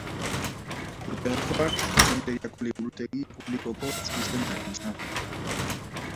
Urte askoan, Errenteriako liburutegi publikoko zuzendari izan zen.